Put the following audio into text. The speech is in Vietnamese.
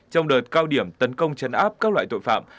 trong đợt cao điểm tấn công chấn áp các loại tội phạm